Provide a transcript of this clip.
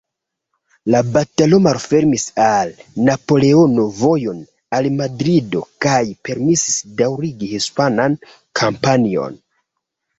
La batalo malfermis al Napoleono vojon al Madrido kaj permesis daŭrigi hispanan kampanjon.